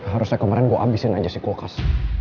harusnya kemarin gue abisin aja si kulkas